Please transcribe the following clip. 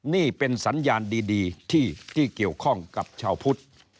นี่เป็นสัญญาณดีที่เกี่ยวข้องกับชาวพุทธ